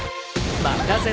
任せて！